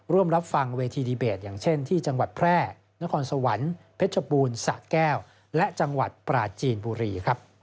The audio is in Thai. ร่วมรับฟังเวทีดีเบตอย่างเช่นที่จังหวัดแพร่นครสวรรค์เพชรบูรณ์สะแก้วและจังหวัดปราจีนบุรี